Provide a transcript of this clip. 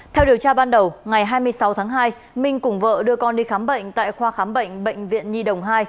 theo điều tra ban đầu ngày hai mươi sáu tháng hai minh cùng vợ đưa con đi khám bệnh tại khoa khám bệnh bệnh viện nhi đồng hai